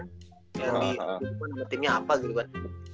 sama timnya apa gitu kan